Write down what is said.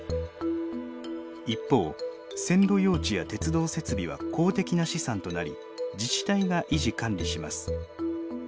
一方線路用地や鉄道設備は公的な資産となり自治体が維持管理します。